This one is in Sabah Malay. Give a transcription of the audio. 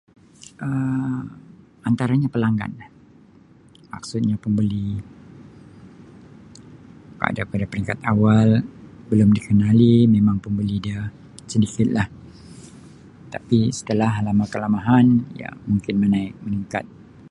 Um Antaranya pelanggan lah. Maksudnya pembeli Um daripada peringkat awal belum dikenali memang pembeli dia sedikitlah tapi setelah lama-kelamahan ya mungkin menaik meningkat.